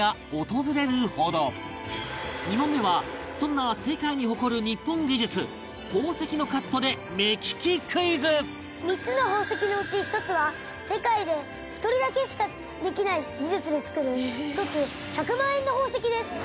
２問目はそんな世界に誇る日本技術宝石のカットで目利きクイズ３つの宝石のうち１つは世界で１人だけしかできない技術で作る１つ１００万円の宝石です。